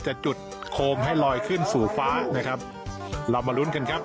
จะจุดโคมให้ลอยขึ้นสู่ฟ้านะครับเรามาลุ้นกันครับ